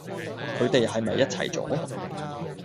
佢地係咪一齊咗？